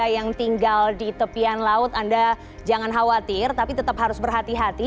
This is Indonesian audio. yang tinggal di tepian laut anda jangan khawatir tapi tetap harus berhati hati